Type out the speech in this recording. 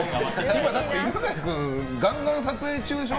今、犬飼君ガンガン撮影中でしょ？